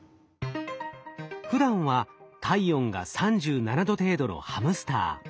ふだんは体温が３７℃程度のハムスター。